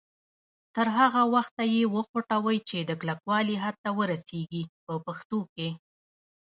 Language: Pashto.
تر هغه وخته یې وخوټوئ چې د کلکوالي حد ته ورسیږي په پښتو کې.